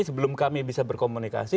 sebelum kami bisa berkomunikasi